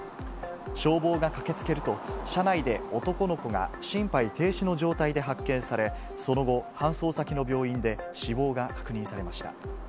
消防が駆けつけると、車内で男の子が心肺停止の状態で発見され、その後、搬送先の病院で死亡が確認されました。